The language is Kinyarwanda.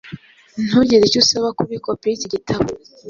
ntugire icyo usaba kuri kopi yiki gitabo